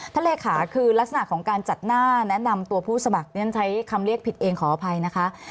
เลขาคือลักษณะของการจัดหน้าแนะนำตัวผู้สมัครเรียนใช้คำเรียกผิดเองขออภัยนะคะ